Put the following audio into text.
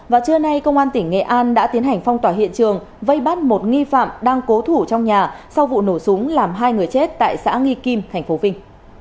và trưa nay công an tỉnh nghệ an đã tiến hành phong tỏa hiện trường vây bắt một nghi phạm đang cố thủ trong nhà sau vụ nổ súng làm hai người chết tại xã nghi kim tp vinh